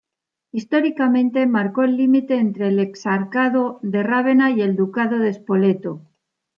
Históricamente, marcó el límite entre el Exarcado de Rávena y el Ducado de Spoleto.